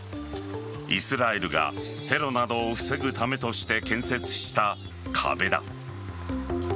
イスラエルがテロなどを防ぐためとして建設した壁だ。